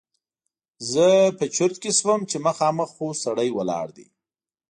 زه چرت کې شوم چې مخامخ خو سړی ولاړ دی!